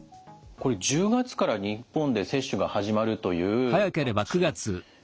これ１０月から日本で接種が始まるというワクチン。